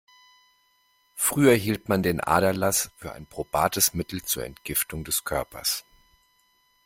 Früher hielt man den Aderlass für ein probates Mittel zur Entgiftung des Körpers.